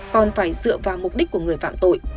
còn phải dựa vào mục đích của người phạm tội